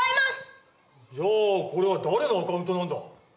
じゃあこれは誰のアカウントなんだ。